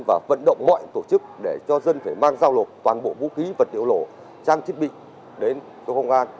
và vận động mọi tổ chức để cho dân phải mang giao lột toàn bộ vũ khí vật liệu lổ trang thiết bị đến công an